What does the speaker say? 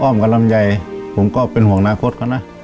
อ้อมกับลำไยผมก็เป็นห่วงนาคตค่ะนะ